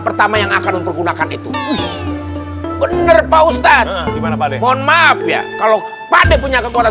pertama yang akan untuk gunakan itu bener pak ustadz mohon maaf ya kalau pada punya kekuatan